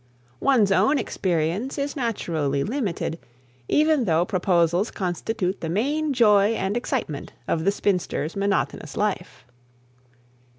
One's own experience is naturally limited, even though proposals constitute the main joy and excitement of the spinster's monotonous life.